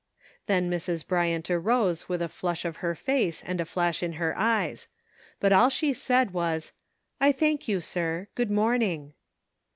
Then Mrs. Bryant arose with a flush on her face, and a flash in her eyes ; but all she said was, ''I thank you, sir; good morning."